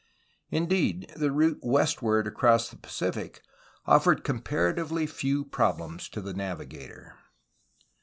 Indeed, the route westward across the Pacific offered comparatively few problems to the navigator.